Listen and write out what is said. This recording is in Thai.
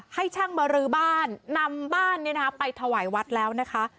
ให้ช่างมารื้อบ้านนำบ้านไปถวายวัดแล้วนะคะ